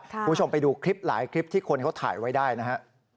คุณผู้ชมไปดูคลิปหลายคลิปที่คนเขาถ่ายไว้ได้นะฮะ